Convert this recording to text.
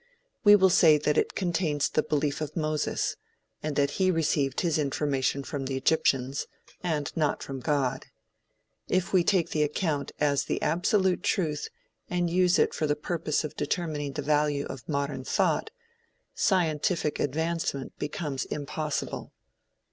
We will say that it contains the belief of Moses, and that he received his information from the Egyptians, and not from God. If we take the account as the absolute truth and use it for the purpose of determining the value of modern thought, scientific advancement becomes impossible.